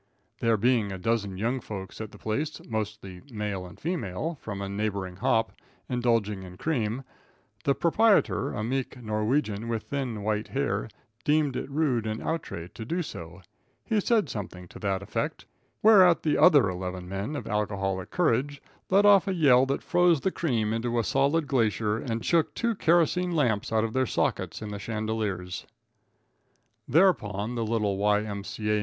There being a dozen young folks at the place, mostly male and female, from a neighboring hop, indulging in cream, the proprietor, a meek Norwegian with thin white hair, deemed it rude and outre to do so. He said something to that effect, whereat the other eleven men of alcoholic courage let off a yell that froze the cream into a solid glacier, and shook two kerosene lamps out of their sockets in the chandeliers. [Illustration: HE YELLED MURDER.] Thereupon, the little Y.M.C.A.